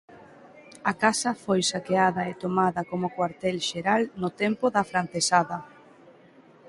A casa foi saqueada e tomada como cuartel xeral no tempo da Francesada.